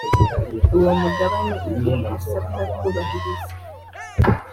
uwo mugabane igihe hasabwa kubahiriza